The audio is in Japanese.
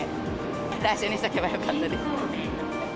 来週にしておけばよかったです。